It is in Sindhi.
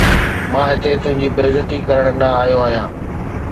مان هتي تنهنجي بي عزتي ڪرڻ نه آيو آهيان